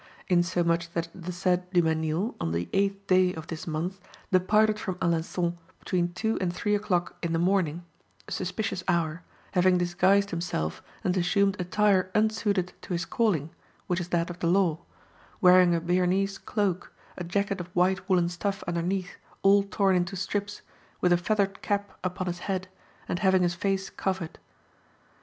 Insomuch that the said Dumesnil, on the eighth day of this month, departed from Alençon between two and three o'clock in the morning, a suspicious hour, having disguised himself and assumed attire unsuited to his calling, which is that of the law; wearing a Bearnese cloak,(2) a jacket of white woollen stuff underneath, all torn into strips, with a feathered cap upon his head, and having his face covered.